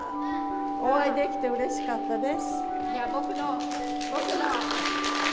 お会いできてうれしかったです。